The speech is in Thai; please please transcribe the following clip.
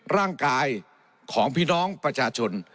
ร่างกายของพี่น้องประชาชน